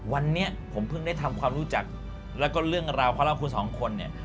วันนี้ผมเพิ่งได้ทำความรู้จักแล้วก็เรื่องราวของเราคุณสองคนเนี่ย